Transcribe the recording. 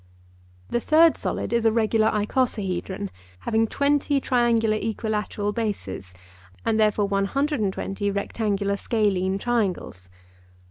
The third solid is a regular icosahedron, having twenty triangular equilateral bases, and therefore 120 rectangular scalene triangles.